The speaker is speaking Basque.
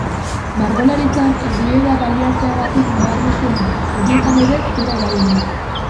Margolaritzan, erliebea baliatzeagatik nabarmentzen da, horietan ere zura erabiliz.